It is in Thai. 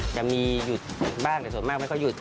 จะมีหยุดบ้างแต่ส่วนมากไม่ค่อยหยุด